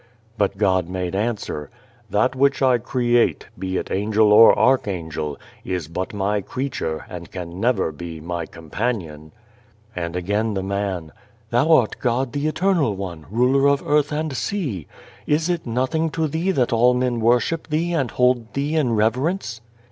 ' But God made answer :" That which I create, be it angel or archangel, is but My creature, and can never be My companion." And again the man :" Thou art God the Eternal One, Ruler of Earth and Sea. Is 231 The Lonely God it nothing to Thee that all men worship Thee and hold Thee in reverence